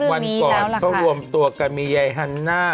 วันก่อนเขารวมตัวกันมียายฮันน่า